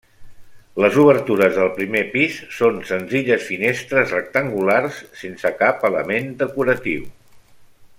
Les obertures del primer pis són senzilles finestres rectangulars sense cap element decoratiu.